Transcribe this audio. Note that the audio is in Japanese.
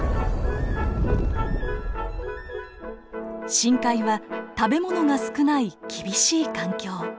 深海は食べ物が少ない厳しい環境。